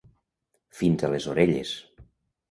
Fins a les orelles.